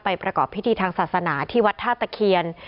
ประกอบพิธีทางศาสนาที่วัดท่าตะเคียน